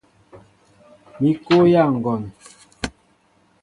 Mi kɔyá ŋgɔn.